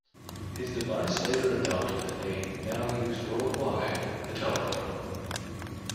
His device later adopted the name now used worldwide, the telephone.